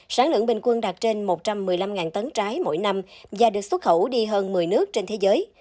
sáng lượng bình quân đạt trên một trăm một mươi năm tấn trái mỗi năm và được xuất khẩu đi hơn một mươi nước trên thế giới